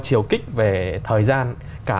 chiều kích về thời gian cả